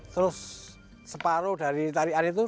terus separuh dari tarik arik itu